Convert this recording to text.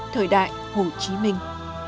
thời đại hồ chí minh